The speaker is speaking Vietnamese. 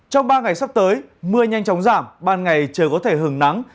trong ba ngày sắp tới mưa nhanh chóng giảm ban ngày trời có thể hứng nắng